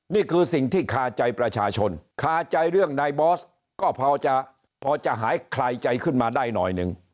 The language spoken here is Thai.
นี่คือสิ่งที่คาใจประชาชนคาใจเรื่องนายบอสก็พอจะหายคลายใจขึ้นมาได้หน่อยหนึ่ง